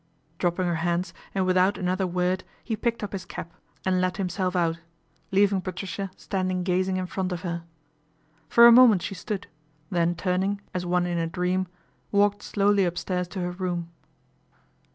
Dropping her hands and without another word he picked up his cap and let himself out, leaving THE AIR RAID 273 Patricia standing gazing in front of her. For a moment she stood, then turning as one in a dream, walked slowly upstairs to her room.